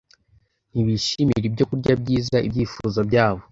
ntibishimira ibyokurya byiza ibyifuzo byabo